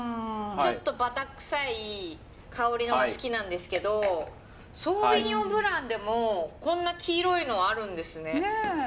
ちょっとバタ臭い香りのが好きなんですけどソーヴィニヨン・ブランでもこんな黄色いのあるんですね。